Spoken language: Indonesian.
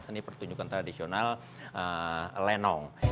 seni pertunjukan tradisional lenong